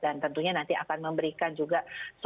dan tentunya nanti akan memberikan juga